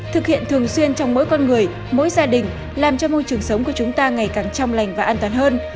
thực hiện thường xuyên trong mỗi con người mỗi gia đình làm cho môi trường sống của chúng ta ngày càng trong lành và an toàn hơn